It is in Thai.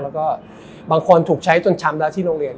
แล้วก็บางคนถูกใช้จนช้ำแล้วที่โรงเรียน